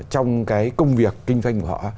trong cái công việc kinh doanh của họ